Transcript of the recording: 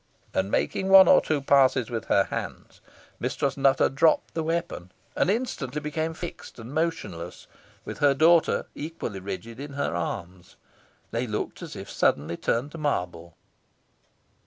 And making one or two passes with her hands, Mistress Nutter dropped the weapon, and instantly became fixed and motionless, with her daughter, equally rigid, in her arms. They looked as if suddenly turned to marble.